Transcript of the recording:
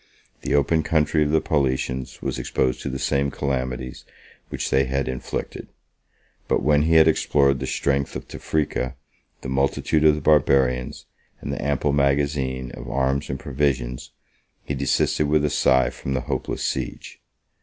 The open country of the Paulicians was exposed to the same calamities which they had inflicted; but when he had explored the strength of Tephrice, the multitude of the Barbarians, and the ample magazines of arms and provisions, he desisted with a sigh from the hopeless siege.